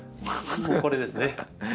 これですね。